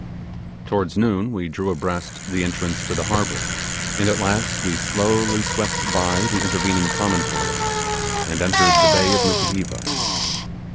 Towards noon we drew abreast the entrance go the harbour, and at last we slowly swept by the intervening promontory, and entered the bay of Nukuheva.